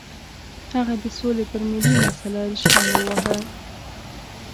هغه د سولې پر ملي مسله ریشخند وواهه.